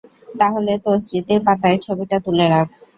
তাহলে তোর স্মৃতির পাতায় ছবিটা তুলে রাখ।